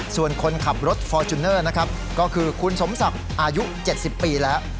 ส่วนคนขับรถฟอร์จูเนอร์นะครับก็คือคุณสมศักดิ์อายุ๗๐ปีแล้ว